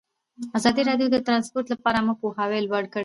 ازادي راډیو د ترانسپورټ لپاره عامه پوهاوي لوړ کړی.